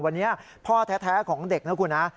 วันนี้พ่อแท้ของเด็กนะคุณนะ